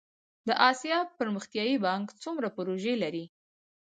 د اسیا پرمختیایی بانک څومره پروژې لري؟